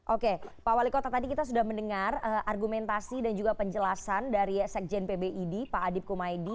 oke pak wali kota tadi kita sudah mendengar argumentasi dan juga penjelasan dari sekjen pbid pak adip kumaydi